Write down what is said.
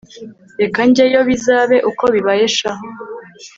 reka njyeyo bizabe uko bibaye sha